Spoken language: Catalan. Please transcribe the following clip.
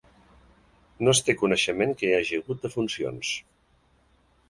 No es té coneixement que hi hagi hagut defuncions.